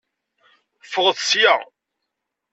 Ffɣet sya.